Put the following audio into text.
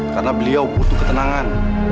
karena beliau butuh ketenangan